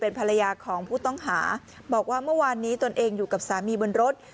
ภรรยาของผู้ต้องหาบอกว่าเมื่อวานนี้ตนเองอยู่กับสามีบนรถ